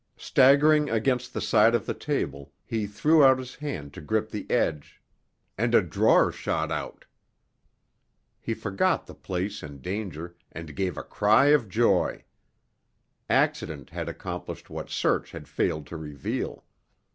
Staggering against the side of the table, he threw out his hand to grip the edge—and a drawer shot out! He forgot the place and danger, and gave a cry of joy. Accident had accomplished what search had failed to reveal.